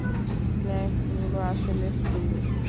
স্ন্যাক্সগুলো আসলে ফ্রি!